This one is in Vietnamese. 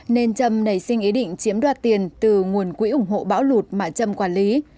nên trâm nảy sinh ý định chiếm đoạt tiền từ nguồn quỹ ủng hộ bão lụt mà trâm quản lý